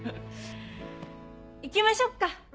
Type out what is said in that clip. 行きましょうか！